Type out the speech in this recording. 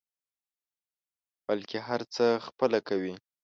بلکې هر څه خپله کوي.